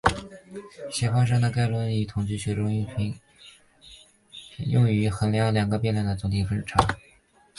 协方差在概率论和统计学中用于衡量两个变量的总体误差。